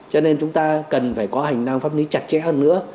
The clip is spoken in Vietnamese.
cho nên chúng ta cần phải có hành năng pháp lý chặt chẽ hơn nữa